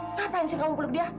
ngapain sih kamu peluk dia